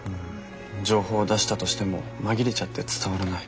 情報出したとしても紛れちゃって伝わらない。